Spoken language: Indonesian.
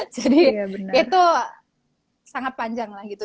jadi itu sangat panjang lah gitu